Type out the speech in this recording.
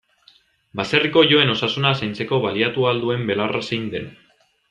Baserriko oiloen osasuna zaintzeko baliatu ahal duen belarra zein den.